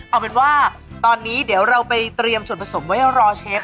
เอาเป็นว่าตอนนี้เดี๋ยวเราไปเตรียมส่วนผสมไว้รอเชฟ